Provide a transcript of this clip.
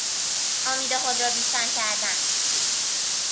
امید خود را بیشتر کردن